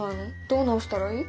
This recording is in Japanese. どう直したらいい？